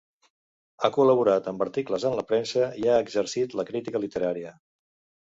Ha col·laborat amb articles en la premsa i ha exercit la crítica literària.